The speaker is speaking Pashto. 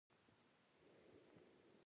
د خپل پوهنتون وخت کیسې یې وکړې.